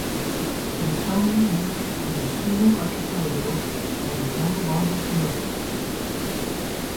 It is commonly used in the Sulu Archipelago and the Zamboanga Peninsula.